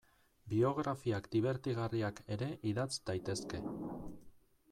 Biografiak dibertigarriak ere idatz daitezke.